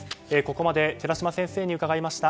ここまで寺嶋先生に伺いました。